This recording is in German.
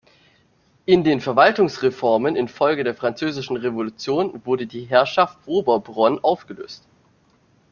In den Verwaltungsreformen in Folge der Französischen Revolution wurde die Herrschaft Oberbronn aufgelöst.